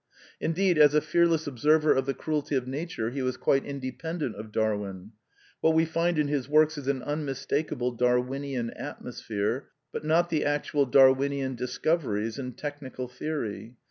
Indeed, as a fearless observer of the cruelty of Nature, he was quite independent of Darwin: what we find in his works is an unmistakable Darwinian atmosphere, but not the actual Dar winian discoveries and technical theory.